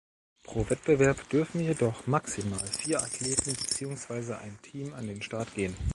Pro Wettbewerb dürfen jedoch maximal vier Athleten beziehungsweise ein Team an den Start gehen.